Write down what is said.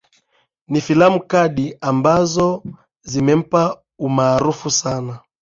ni filamu card ambazo zimempa umaarufu sana